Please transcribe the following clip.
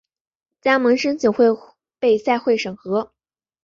加盟申请会被赛会审核。